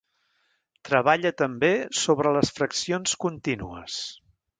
Treballa també sobre les fraccions contínues.